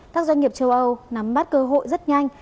các doanh nghiệp châu âu nắm bắt cơ hội rất nhanh